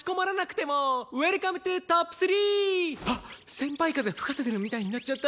先輩風吹かせてるみたいになっちゃった。